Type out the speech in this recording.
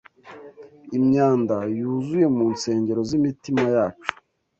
imyanda yuzuye mu nsengero z’imitima yacu